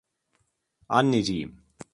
Anneciğim.